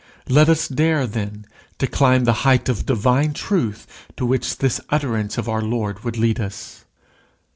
Let us dare, then, to climb the height of divine truth to which this utterance of our Lord would lead us.